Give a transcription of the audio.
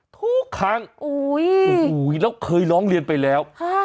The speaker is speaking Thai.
ทุกครั้งอุ้ยอุ้ยแล้วเคยน้องเรียนไปแล้วค่ะ